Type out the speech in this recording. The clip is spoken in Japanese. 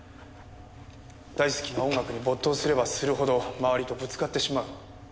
大好きな音楽に没頭すればするほど周りとぶつかってしまう。